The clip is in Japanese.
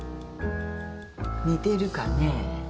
似てるかね？